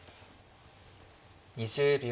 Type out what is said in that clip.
２０秒。